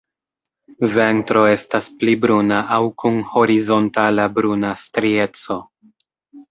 Ventro estas pli bruna aŭ kun horizontala bruna strieco.